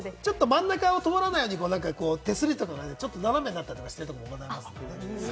真ん中は通らないように手すりが斜めになったりしてるところもありますよね。